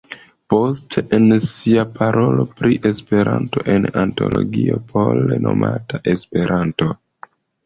Poste en sia parolo pri Esperanto en antologio pole nomata "Esperanto?